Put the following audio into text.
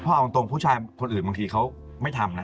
เพราะเอาตรงผู้ชายคนอื่นบางทีเขาไม่ทำนะ